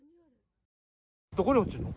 どこに落ちるの？